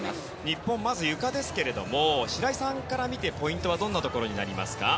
日本はまず、ゆかですが白井さんから見てポイントはどんなところになりますか。